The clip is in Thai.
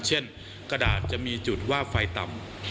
เช่นกระดาษจะมีจุดว่าไฟต่ำ